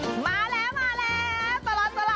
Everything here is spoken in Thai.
ช่วงตลอดตลอด